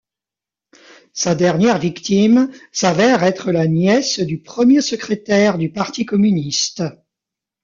Sa dernière victime s'avère être la nièce du premier secrétaire du parti communiste.